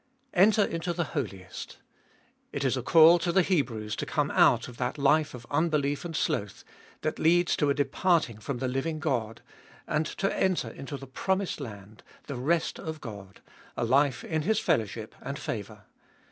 Enter into the Holiest. It is a call to the Hebrews to come out of that life of unbelief and sloth, that leads to a departing from the living God, and to enter into the promised land, the rest of God, a life in His fellowship and favour.